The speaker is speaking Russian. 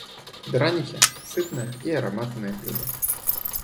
Драники - сытное и ароматное блюдо.